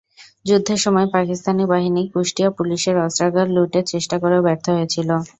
যুদ্ধের সময় পাকিস্তানি বাহিনী কুষ্টিয়া পুলিশের অস্ত্রাগার লুটের চেষ্টা করেও ব্যর্থ হয়েছিল।